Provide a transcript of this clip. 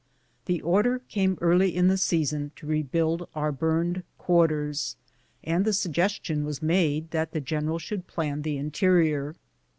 The order came early in the season to rebuild our burned quarters, and the suggestion was made that the general should plan the interior.